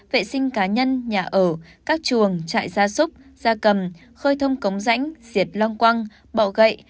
vệ sinh cá nhân nhà ở các chuồng trại gia súc gia cầm khơi thông cống rãnh diệt long quăng bỏ gậy